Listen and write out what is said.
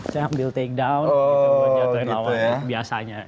saya ambil takedown gitu buat jatuhin lawan biasanya